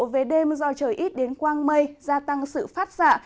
về đêm do trời ít đến quang mây gia tăng sự phát xạ